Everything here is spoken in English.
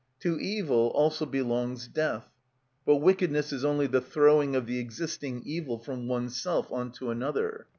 To evil also belongs death; but wickedness is only the throwing of the existing evil from oneself on to another.